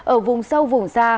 ở vùng sâu vùng xa